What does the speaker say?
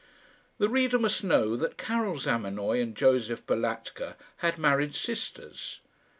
The reader must know that Karil Zamenoy and Josef Balatka had married sisters.